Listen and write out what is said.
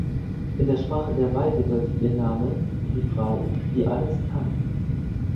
In der Sprache der Vai bedeutet ihr Name "Die Frau, die alles kann".